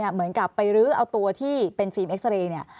เหมือนกับไปรื้อเอาตัวที่เป็นฟิล์มเอ็กซาเรย์เนี่ย